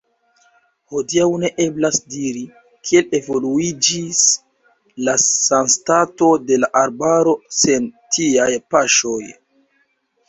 Hodiaŭ ne eblas diri, kiel evoluiĝis la sanstato de la arbaro sen tiaj paŝoj.